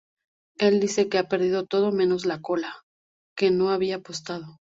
Él dice que ha perdido todo menos la cola, que no había apostado.